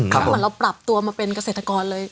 แล้วเหมือนเราปรับตัวมาเป็นเกษตรกรเลย